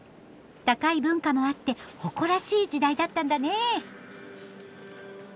高い文化もあって誇らしい時代だったんだねえ。